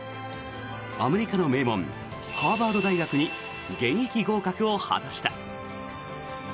アメリカの名門ハーバード大学に現役合格を果たした。